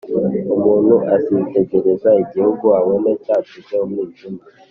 Umuntu azitegereza igihugu abone cyacuze umwijima